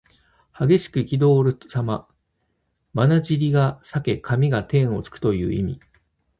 激しくいきどおるさま。まなじりが裂け髪が天をつくという意味。